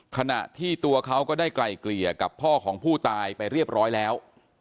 ขณะที่ตัวเขาก็ได้ไกลเกลี่ยกับพ่อของผู้ตายไปเรียบร้อยแล้ว